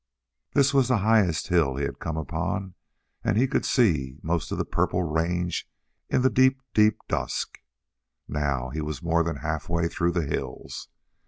This was the highest hill he had come upon and he could see most of the purple range in the deep, deep dusk. Now he was more than halfway through the hills.